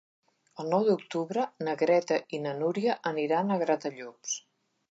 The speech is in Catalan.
El nou d'octubre na Greta i na Núria aniran a Gratallops.